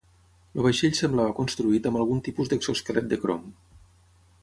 El vaixell semblava construït amb algun tipus d'exoesquelet de crom.